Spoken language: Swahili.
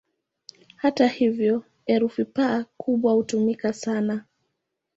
Hata hivyo, herufi "P" kubwa hutumika sana.